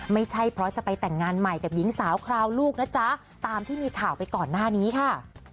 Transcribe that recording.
ไม่ใช่เพราะจะไปแต่งงานใหม่กับหญิงสาวคราวลูกนะจ๊ะตามที่มีข่าวไปก่อนหน้านี้ค่ะ